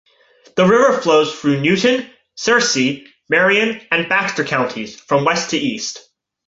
The river flows through Newton, Searcy, Marion, and Baxter Counties, from west to east.